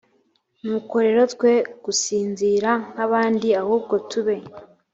nuko rero twe gusinzira nk abandi ahubwo tube